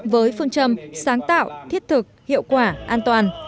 với phương châm sáng tạo thiết thực hiệu quả an toàn